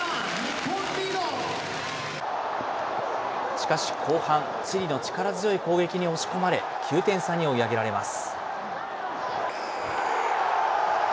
しかし、後半、チリの力強い攻撃に押し込まれ、９点差に追い上げられます。